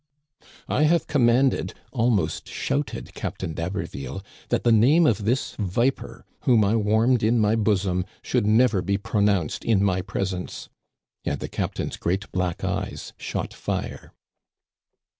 " I have commanded," almost shouted Captain d'Hab erville, that the name of this viper, whom I warmed in my bosom, should never be pronounced in my pres ence." And the captain's great black eyes shot fire.